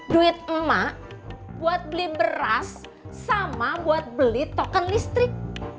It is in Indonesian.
duit emak buat beli beras sama buat beli token listrik